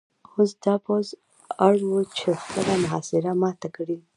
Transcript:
اوس دا پوځ اړ و چې خپله محاصره ماته کړي